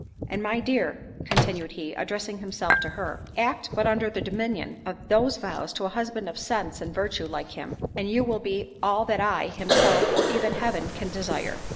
And my dear," continued he, addressing himself to her, "act but under the dominion of those vows, to a husband of sense and virtue, like him, and you will be all that I, himself, or even Heaven can desire.